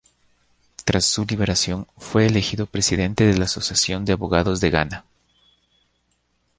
Tras su liberación, fue elegido Presidente de la Asociación de Abogados de Ghana.